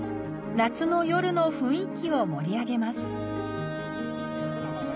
夏の夜の雰囲気を盛り上げます。